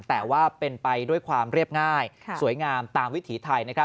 แต่ว่าเป็นไปด้วยความเรียบง่ายสวยงามตามวิถีไทย